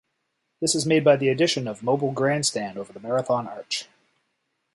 This is made by the addition of mobile grandstand over the Marathon Arch.